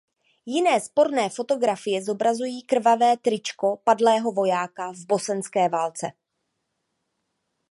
Jiné sporné fotografie zobrazují krvavé tričko padlého vojáka v bosenské válce.